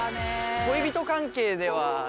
恋人関係では。